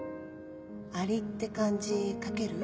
アリって漢字書ける？